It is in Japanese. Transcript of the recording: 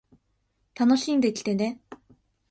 楽しんできてね